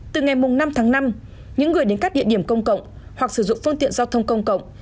từ ngày năm tháng năm những người đến các địa điểm công cộng hoặc sử dụng phương tiện giao thông công cộng